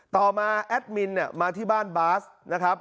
ต่อมาแอดมินเนี่ยมาที่บ้านบาสนะครับ